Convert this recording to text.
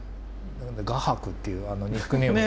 画伯っていうあのニックネーム。